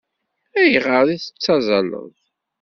Ayɣer i tettazzaleḍ?